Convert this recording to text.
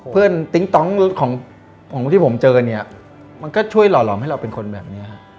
ติ๊งต้องของที่ผมเจอเนี่ยมันก็ช่วยหล่อหลอมให้เราเป็นคนแบบนี้ฮะ